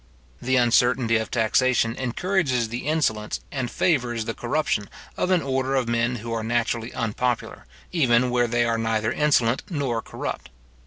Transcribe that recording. The uncertainty of taxation encourages the insolence, and favours the corruption, of an order of men who are naturally unpopular, even where they are neither insolent nor corrupt.